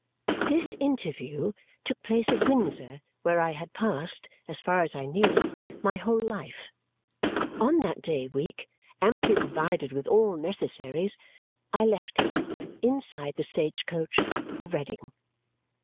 This interview took place at Windsor, where I had passed (as far as I knew) my whole life. On that day week, amply provided with all necessaries, I left it, inside the stagecoach, for Reading.